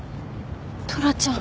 トラちゃん！